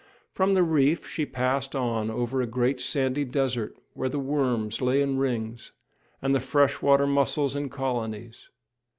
From the reef she passed on over a great sandy desert, where the worms lay in rings, and the fresh water mussels in colonies.